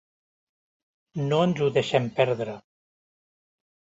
No ens ho deixem perdre.